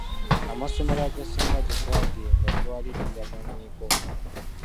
Amasomero agasinga gye twagenda twali tugamanyiiko.